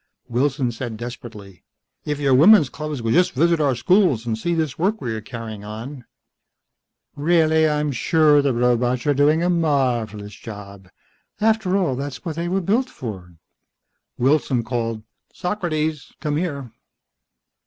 Wilson said desperately, "If your women's clubs would just visit our schools and see this work we are carrying on ..." "Reahlly, I'm sure the robots are doing a marvelous job. After all, that's what they were built for." Wilson called, "Socrates! Come here!"